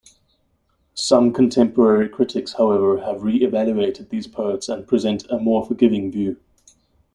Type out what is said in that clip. Some contemporary critics, however, have reevaluated these poets and present a more forgiving view.